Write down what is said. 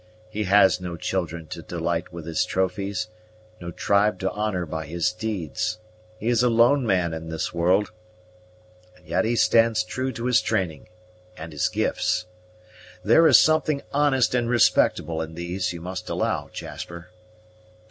He has no children to delight with his trophies; no tribe to honor by his deeds; he is a lone man in this world, and yet he stands true to his training and his gifts! There is something honest and respectable in these, you must allow, Jasper."